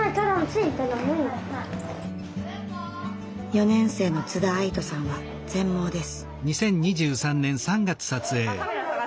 ４年生の津田愛土さんは全盲です。